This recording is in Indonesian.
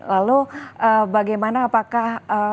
lalu bagaimana apakah